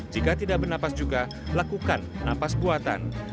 jika tidak bernapas juga lakukan nafas buatan